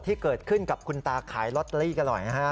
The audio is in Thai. ที่เกิดขึ้นกับคุณตาขายลอตเตอรี่กันหน่อยนะฮะ